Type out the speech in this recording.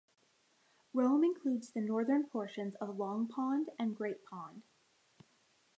Rome includes the northern portions of Long Pond and Great Pond.